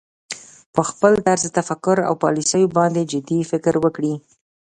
په خپل طرز تفکر او پالیسیو باندې جدي فکر وکړي